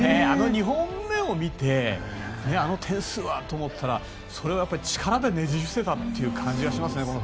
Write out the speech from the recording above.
あの２本目を見てあの点数はと思ったらそれは力でねじ伏せたという感じがしますね。